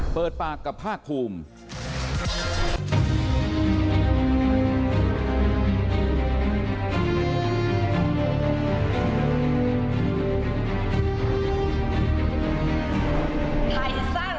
เปิดปากกับภาคภูมิ